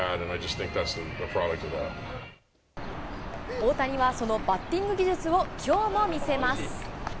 大谷は、そのバッティング技術をきょうも見せます。